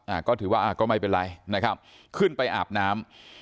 อ่าก็ถือว่าอ่าก็ไม่เป็นไรนะครับขึ้นไปอาบน้ำ